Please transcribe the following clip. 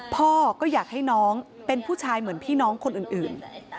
พ่อก็อยากให้น้องเป็นผู้ชายเหมือนพี่น้องคนอื่น